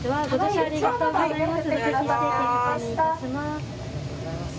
ありがとうございます。